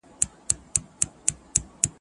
انار مات شو ستا د سپینو ګوتو ناز ته